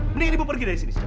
mending ibu pergi dari sini